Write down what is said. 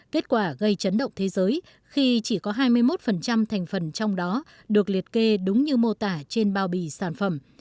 kết quả gây chấn động thế giới khi chỉ có hai mươi một thành phần trong đó được liệt kê đúng như mô tả trên bao bì sản phẩm